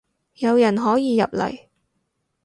有人可以入嚟